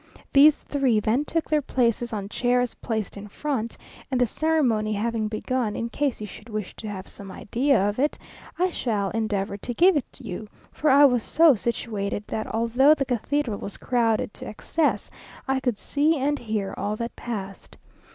These three then took their places on chairs placed in front; and the ceremony having begun, in case you should wish to have some idea of it, I shall endeavour to give it you, for I was so situated, that although the cathedral was crowded to excess, I could see and hear all that passed.